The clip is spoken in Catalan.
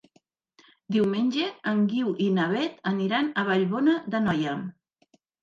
Diumenge en Guiu i na Beth aniran a Vallbona d'Anoia.